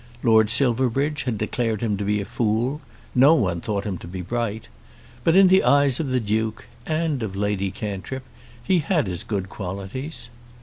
Lord Silverbridge had declared him to be a fool. No one thought him to be bright. But in the eyes of the Duke, and of Lady Cantrip, he had his good qualities.